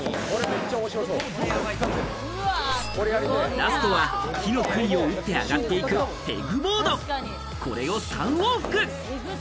ラストは木の杭を打って上がっていくペグボード、これを３往復。